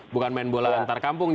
bukan main bola antar kampung ya